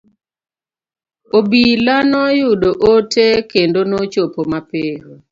Obila noyudo ote kendo nochopo mapiyo.